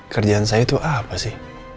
kerjaan saya itu apa sih